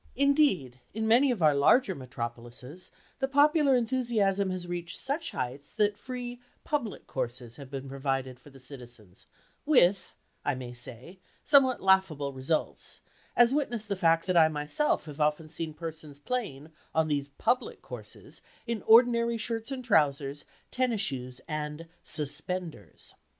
Indeed, in many of our larger metropolises, the popular enthusiasm has reached such heights that free "public" courses have been provided for the citizens with, I may say, somewhat laughable results, as witness the fact that I myself have often seen persons playing on these "public" courses in ordinary shirts and trousers, tennis shoes, and suspenders.